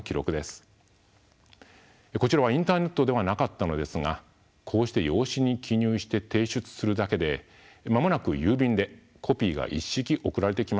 こちらはインターネットではなかったのですがこうして用紙に記入して提出するだけで間もなく郵便でコピーが一式送られてきました。